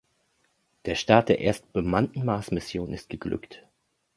Der Start der ersten bemannten Marsmission ist geglückt.